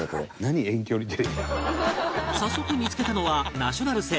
早速見付けたのはナショナル製